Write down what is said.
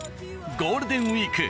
ゴールデンウィーク